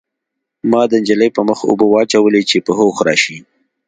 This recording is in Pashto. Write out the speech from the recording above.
ما د نجلۍ په مخ اوبه واچولې چې په هوښ شي